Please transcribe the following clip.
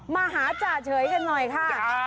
มาหาจ่าเฉยกันหน่อยค่ะ